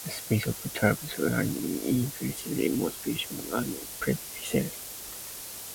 The spirit of trades unionism is essentially monopolistic and prescriptive.